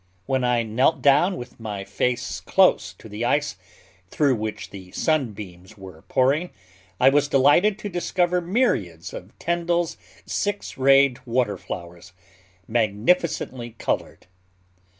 When I knelt down with my face close to the ice, through which the sunbeams were pouring, I was delighted to discover myriads of Tyndall's six rayed water flowers, magnificently colored.